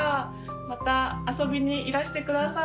また遊びにいらしてください。